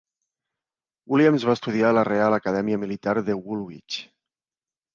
Williams va estudiar a la Real Acadèmia Militar de Woolwich.